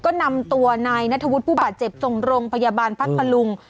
ก็นำตัวนายนัทธวุฒิผู้บาดเจ็บส่งโรงพยาบาลพัทธลุง